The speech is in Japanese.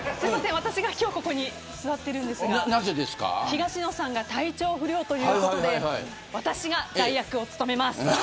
私が今日ここに座っているんですが東野さんが体調不良ということで、私が代役を務めます。